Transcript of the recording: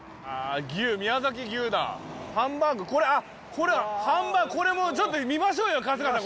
これはハンバーグこれもちょっと見ましょうよ春日さん